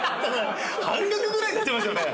半額ぐらいになっちゃいましたね！